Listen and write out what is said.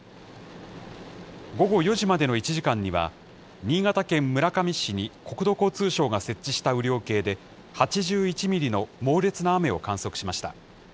午後４時までの１時間には、新潟県村上市に国土交通省が設置した雨量計で８１ミリの猛烈な雨を観測しました。